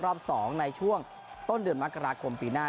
รอบ๒ในช่วงต้นเดือนมกราคมปีหน้า